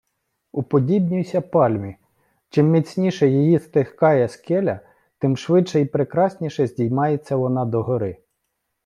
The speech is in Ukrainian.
Уподібнюйся пальмі: чим міцніше її стискає скеля, тим швидше і прекрасніше здіймається вона догори.